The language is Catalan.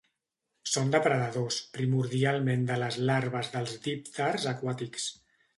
Són depredadors, primordialment de les larves dels dípters aquàtics.